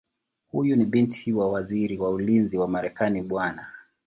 Huyu ni binti wa Waziri wa Ulinzi wa Marekani Bw.